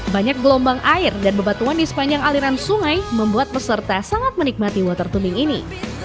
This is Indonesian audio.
banyak gelombang air dan bebatuan di sepanjang aliran sungai membuat peserta sangat menikmati water tubing ini